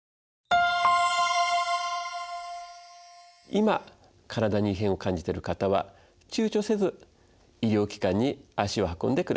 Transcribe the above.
今体に異変を感じている方は躊躇せず医療機関に足を運んでください。